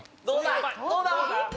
どうだ？